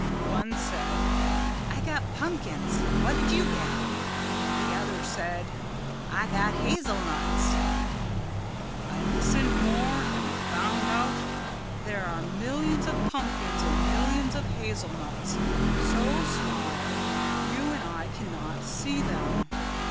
One said, 'I got pumpkins what did you get?' The other said, 'I got hazel nuts.' I listened more and I found out there are millions of pumpkins and millions of hazel nuts so small you and I can not see them.